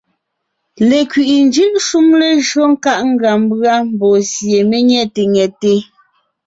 Lekwiʼi njʉ́ʼ shúm lejÿó nkáʼ ngʉa mbʉ́a mbɔɔ sie mé nyɛ̂te nyɛte.